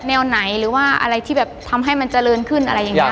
แนวไหนหรือว่าอะไรที่แบบทำให้มันเจริญขึ้นอะไรอย่างนี้